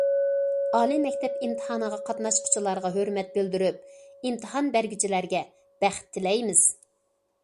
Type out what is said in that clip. ئالىي مەكتەپ ئىمتىھانىغا قاتناشقۇچىلارغا ھۆرمەت بىلدۈرۈپ، ئىمتىھان بەرگۈچىلەرگە بەخت تىلەيمىز!